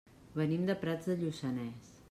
Venim de Prats de Lluçanès.